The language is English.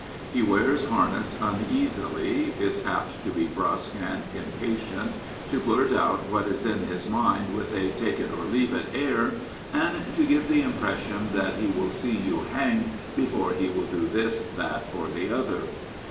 He wears harness uneasily, is apt to be brusque and impatient, to blurt out what is in his mind with a " take it or leave it " air, and to give the impression that he will see you hanged before he will do this, that or the other.